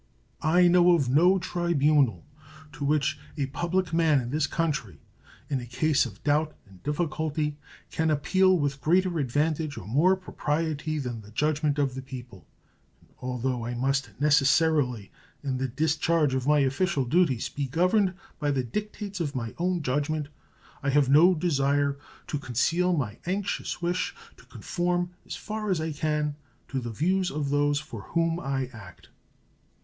I know of no tribunal to which a public man in this country, in a case of doubt and difficulty, can appeal with greater advantage or more propriety than the judgment of the people; and although I must necessarily in the discharge of my official duties be governed by the dictates of my own judgment, I have no desire to conceal my anxious wish to conform as far as I can to the views of those for whom I act.